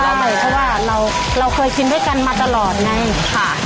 ใหม่เพราะว่าเราเคยกินด้วยกันมาตลอดไงค่ะ